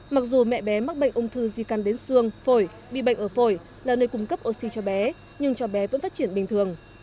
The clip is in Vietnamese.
mặc dù mẹ bé mắc bệnh ung thư di căn đến xương phổi bị bệnh ở phổi là nơi cung cấp oxy cho bé nhưng cho bé vẫn phát triển bình thường